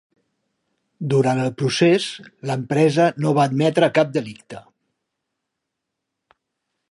Durant el procés, l'empresa no va admetre cap delicte.